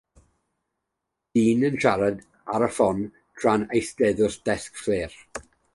Dyn yn siarad ar y ffôn tra'n eistedd wrth ddesg flêr.